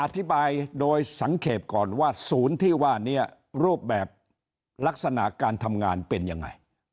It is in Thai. อธิบายโดยสังเกตก่อนว่าศูนย์ที่ว่านี้รูปแบบลักษณะการทำงานเป็นยังไง